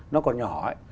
nó còn nhỏ ấy